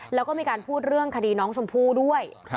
แล้วก็มีการพูดเรื่องคดีน้องชมพู่ด้วย